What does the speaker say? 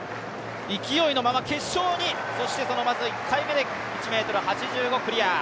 勢いのまま決勝に、１回目で１ｍ８５をクリア。